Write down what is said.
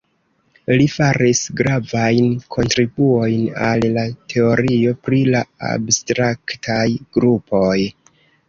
Li faris gravajn kontribuojn al la teorio pri la abstraktaj grupoj.